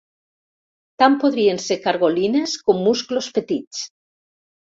Tant podrien ser cargolines com musclos petits.